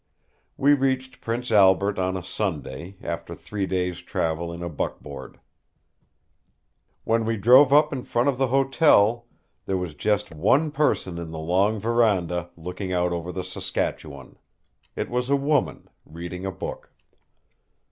We reached Prince Albert on a Sunday, after three days' travel in a buckboard. When we drove up in front of the hotel, there was just one person on the long veranda looking out over the Saskatchewan. It was a woman, reading a book.